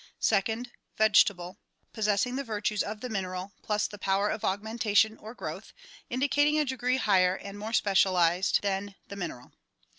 Second — Vegetable — possessing the virtues of the mineral plus the power of augmentation or growth, indi cating a degree higher and more specialized than the mineral.